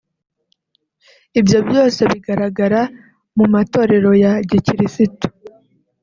Ibyo byose bigaragara mu matorero ya Gikirisitu